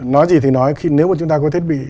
nói gì thì nói nếu mà chúng ta có thiết bị